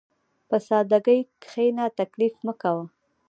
په سادهګۍ کښېنه، تکلف مه کوه.